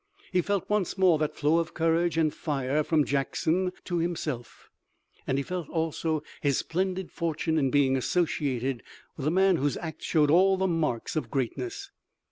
He felt once more that flow of courage and fire from Jackson to himself, and he felt also his splendid fortune in being associated with a man whose acts showed all the marks of greatness.